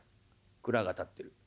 蔵が建ってる。